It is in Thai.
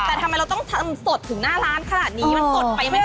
แต่ทำไมเราต้องทำสดถึงหน้าร้านขนาดนี้มันสดไปไม่ได้